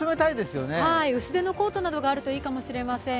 薄手のコートなどがあればいいかもしれません。